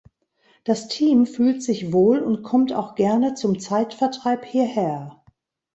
Das Team fühlt sich wohl und kommt auch gerne zum Zeitvertreib hierher.